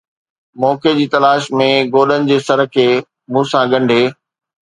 موقعي جي تلاش ۾ گوڏن جي سر کي مون سان ڳنڍي